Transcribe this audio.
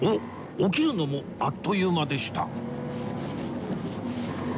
起きるのもあっという間でした